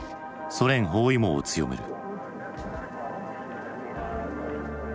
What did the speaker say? ソ連包囲網を強める。